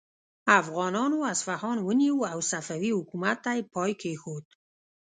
افغانانو اصفهان ونیو او صفوي حکومت ته یې پای کیښود.